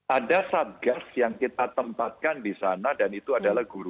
ada satgas yang kita tempatkan di sana dan itu adalah guru